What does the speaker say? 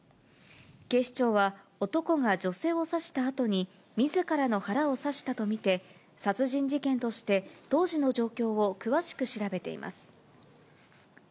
警視庁は、男が女性を刺したあとにみずからの腹を刺したと見て、殺人事件として当時の状況を詳しく調べています。